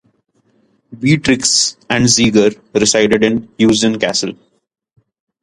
Beatrix and Zeger resided in Heusden Castle.